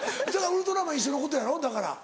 ウルトラマン一緒のことやろ？だから。